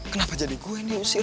kenapa jadi gue yang diusir